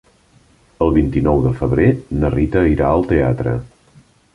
El vint-i-nou de febrer na Rita irà al teatre.